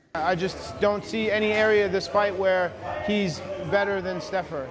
saya tidak melihat area pertandingan ini di mana dia lebih baik daripada stafer